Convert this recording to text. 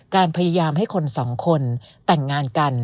การพยายามให้คนสองคนแต่งงานกัน